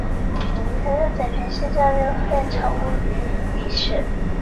迭代函数系统在数学上可以认为是一个完全度量空间上的收缩映射的有限集。